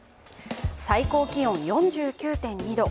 最高気温４９．２度。